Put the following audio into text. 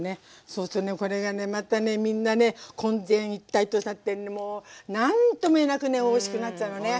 そうするとねこれがねまたみんなね混然一体となってもう何とも言えなくねおいしくなっちゃうのね。